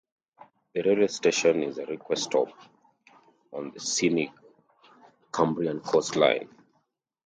The railway station is a request stop on the scenic Cumbrian Coast Line.